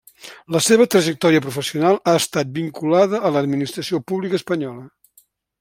La seva trajectòria professional ha estat vinculada a l'Administració Pública espanyola.